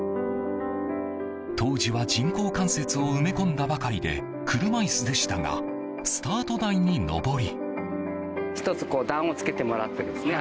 当時は、人工関節を埋め込んだばかりで車椅子でしたがスタート台に上り。